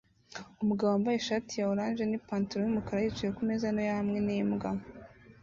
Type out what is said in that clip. Umugabo wambaye ishati ya orange nipantaro yumukara yicaye kumeza ntoya hamwe nimbwa